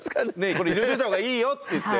これ入れておいたほうがいいよって言って。